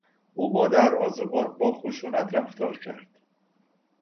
او با دروازهبان با خشونت رفتار کرد.